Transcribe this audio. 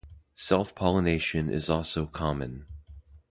Self-pollination is also common.